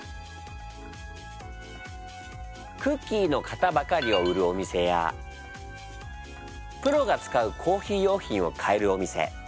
クッキーの型ばかりを売るお店やプロが使うコーヒー用品を買えるお店。